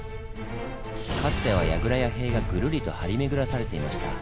かつては櫓や塀がぐるりと張り巡らされていました。